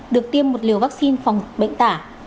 được tiêm một liều vaccine phòng bệnh tả